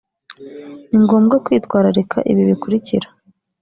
ni ngombwa kwitwararika ibi bikurikira